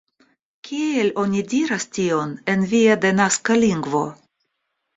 Kiel oni diras tion en via denaska lingvo?